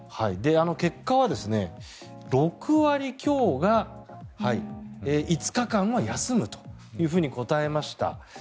結果は６割強が５日間は休むと答えました。